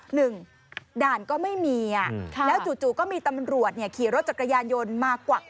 หนึ่งด่านก็ไม่มีแล้วจู่ก็มีตำรวจขี่รถจักรยานยนต์มากวัก